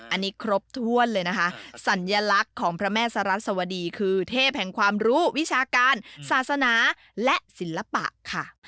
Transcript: อันนี้ครบถ้วนเลยนะคะสัญลักษณ์ของพระแม่สรัสวดีคือเทพแห่งความรู้วิชาการศาสนาและศิลปะค่ะ